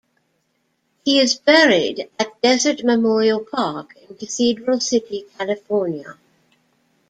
He is buried at Desert Memorial Park in Cathedral City, California.